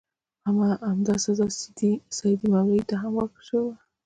همدا سزا سیدي مولا ته هم ورکړل شوې وه.